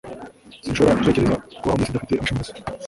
Sinshobora gutekereza kubaho mw'isi idafite amashanyarazi.